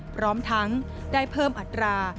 พร้อมทั้งได้เพิ่มอัตรา